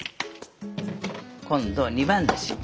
今度は二番だし。